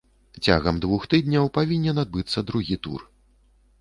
Цягам двух тыдняў павінен адбыцца другі тур.